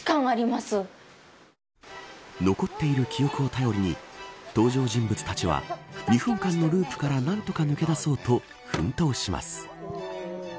残っている記憶を頼りに登場人物たちは２分間のループから何とか抜け出そうと奮闘します。